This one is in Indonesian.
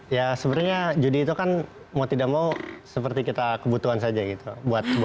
ya sebenarnya judi itu kan mau tidak mau seperti kita kebutuhan saja gitu